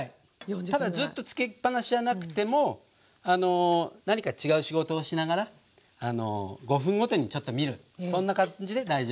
ただずっと付きっ放しじゃなくても何か違う仕事をしながら５分ごとにちょっと見るそんな感じで大丈夫です。